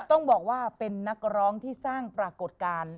ต้องบอกว่าเป็นนักร้องที่สร้างปรากฏการณ์